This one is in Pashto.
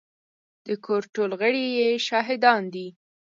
د کور ټول غړي يې شاهدان دي.